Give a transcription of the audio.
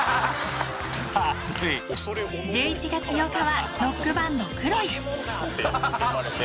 ［１１月８日はロックバンドＫｒｏｉ］